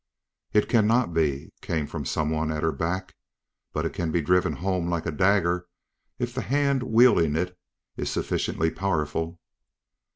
"It cannot be," came from some one at her back. "But it can be driven home like a dagger if the hand wielding it is sufficiently powerful."